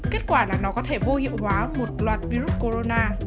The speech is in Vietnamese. kết quả là nó có thể vô hiệu hóa một loạt virus corona